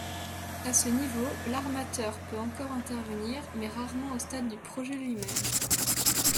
À ce niveau, l'armateur peut encore intervenir, mais rarement au stade du projet lui-même.